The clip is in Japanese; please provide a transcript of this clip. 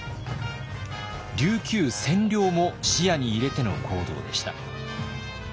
琉球占領も視野に入れての行動でした。